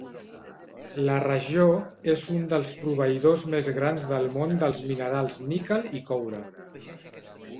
La regió és un dels proveïdors més grans del món dels minerals níquel i coure.